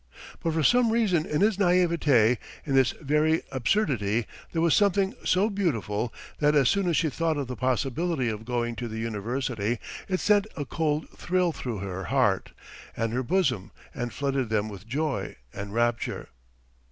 But for some reason in his naïveté, in this very absurdity there was something so beautiful that as soon as she thought of the possibility of going to the university, it sent a cold thrill through her heart and her bosom and flooded them with joy and rapture.